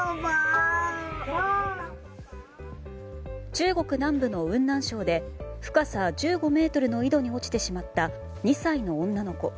中国南部の雲南省で深さ１５ｍの井戸に落ちてしまった２歳の女の子。